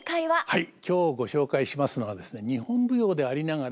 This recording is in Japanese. はい。